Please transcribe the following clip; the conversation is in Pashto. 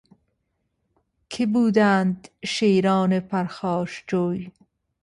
که بودند شیران پرخاشجوی